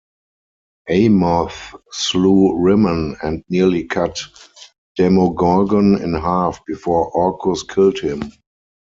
Amoth slew Rimmon and nearly cut Demogorgon in half before Orcus killed him.